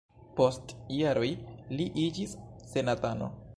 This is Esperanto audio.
Post jaroj li iĝis senatano.